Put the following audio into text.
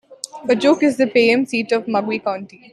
Pajok is the Payam seat of Magwi County.